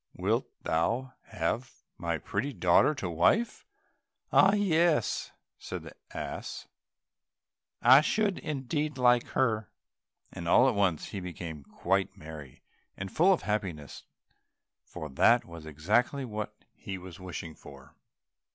Wilt thou have my pretty daughter to wife?" "Ah, yes," said the ass, "I should indeed like her," and all at once he became quite merry and full of happiness, for that was exactly what he was wishing for.